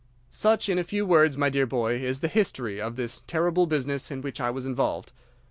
"'Such, in a few words, my dear boy, is the history of this terrible business in which I was involved.